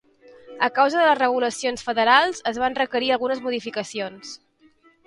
A causa de les regulacions federals, es van requerir algunes modificacions.